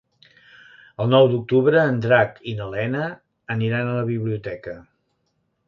El nou d'octubre en Drac i na Lena aniran a la biblioteca.